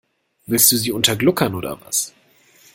Willst du sie untergluckern oder was?